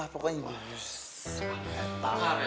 ambil tangan ya bayar